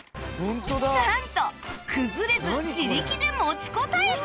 なんと崩れず自力で持ちこたえた！？